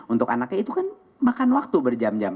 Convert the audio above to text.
untuk anaknya itu kan makan waktu berjam jam